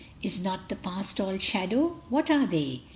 Is not the past all shadow? What are they?